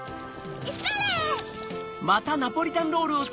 それ！